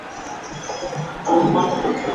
Lwaki tokwata bulungi bintu?